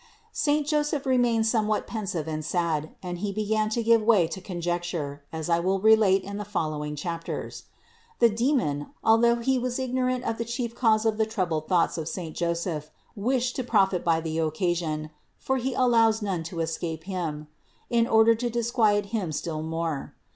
368. Saint Joseph remained somewhat pensive and sad, and he began to give way to conjecture, as I will relate in the following chapters (Nos. 375 to 394). The demon, although he was ignorant of the chief cause of the troubled thoughts of saint Joseph, wished to profit by the occasion (for he allows none to escape him), in order to disquiet him still more.